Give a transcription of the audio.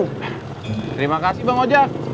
terima kasih bang ojak